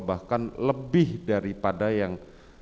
bahkan lebih daripada yang